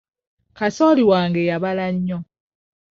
Kasooli wange yabala nnyo.